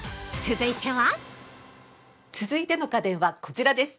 続いては◆続いての家電はこちらです。